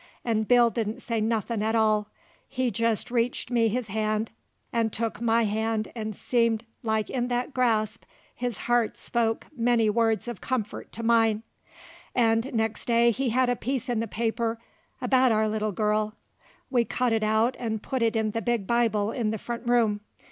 And Bill didn't say nothink at all; he jest reached me his hand, and he took my hand and seemed like in that grasp his heart spoke many words of comfort to mine. And nex' day he had a piece in the paper about our little girl; we cut it out and put it in the big Bible in the front room.